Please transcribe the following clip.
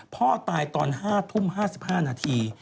พ่อตายตอน๕ทุ่ม๕๕นาที